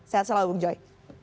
sehat selalu bung joy